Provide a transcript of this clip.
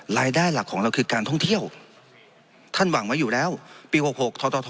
รายได้หลักของเราคือการท่องเที่ยวท่านหวังไว้อยู่แล้วปี๖๖ทท